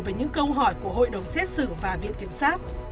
về những câu hỏi của hội đồng xét xử và viện kiểm soát